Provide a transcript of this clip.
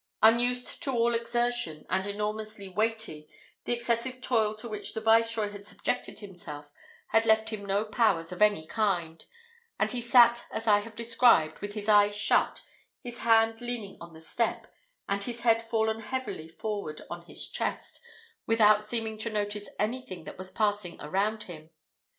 Unused to all exertion, and enormously weighty, the excessive toil to which the Viceroy had subjected himself had left him no powers of any kind, and he sat as I have described, with his eyes shut, his hand leaning on the step, and his head fallen heavily forward on his chest, without seeming to notice anything that was passing around him.